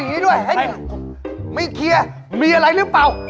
เฮ่ยยังมีอะไรหรือป่าว